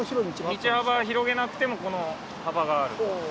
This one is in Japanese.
道幅を広げなくてもこの幅がある。